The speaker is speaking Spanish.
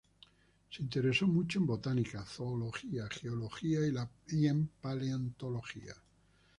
Se interesó mucho en botánica, zoología, geología y en paleontología.